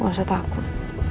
gak usah takut